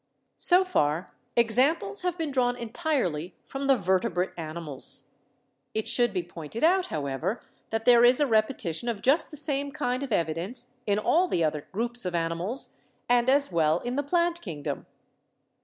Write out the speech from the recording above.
So far examples have been drawn entirely from the vertebrate animals ; it should be pointed out, however, that EVIDENCES OF ORGANIC DESCENT 157 there is a repetition of just the same kind of evidence in all the other groups of animals, and as well in the plant kingdom.